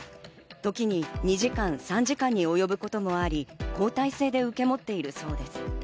時に２時間、３時間に及ぶこともあり、交代制で受け持っているそうです。